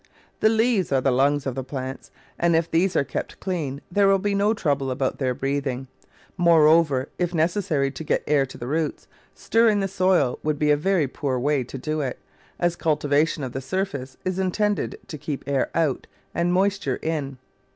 The leaves are the lungs of the plants, and if these are kept clean there will be no trouble about their breathing. Moreover, if necessary to get air to the roots, stirring the soil would be a very poor way to do it, as cultivation of the surface is intended to keep air out and moisture in.